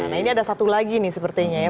nah ini ada satu lagi nih sepertinya ya